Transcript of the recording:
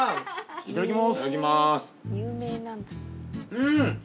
いただきます。